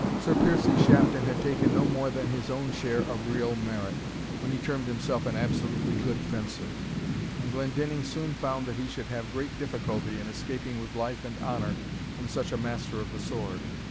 Sir Piercie Shafton had taken no more than his own share of real merit, when he termed himself an absolutely good fencer; and Glendinning soon found that he should have great difficulty in escaping with life and honour from such a master of the sword.